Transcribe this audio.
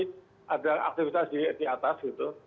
tapi ada aktivitas di atas gitu